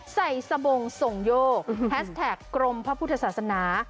สบงส่งโยกแฮสแท็กกรมพระพุทธศาสนา